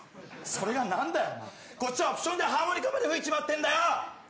それが何だよ、こっちはオプションでハーモニカまで吹いちゃったんだよ！